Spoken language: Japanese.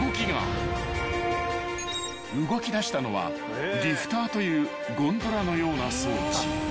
［動きだしたのはリフターというゴンドラのような装置］